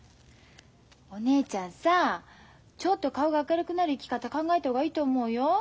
お姉ちゃんさちょっと顔が明るくなる生き方考えた方がいいと思うよ。